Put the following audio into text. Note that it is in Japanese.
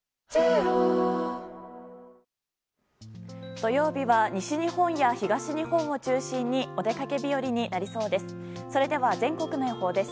土曜日は西日本や東日本を中心にお出かけ日和になりそうです。